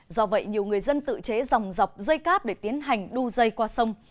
do vậy nhiều người dân tự chế dòng dọc dây cáp để tiến hành đu dây qua sông